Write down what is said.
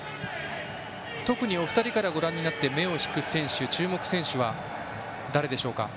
特にお二人からご覧になって目を引く選手、注目選手は誰でしょうか？